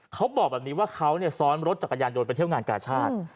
เขาบอกแบบนี้ว่าเขาซ้อนรถจักรยานยนต์ไปเที่ยวงานกาชาติ